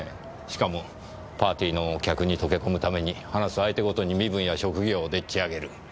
しかもパーティーの客に溶け込むために話す相手ごとに身分や職業をでっちあげる。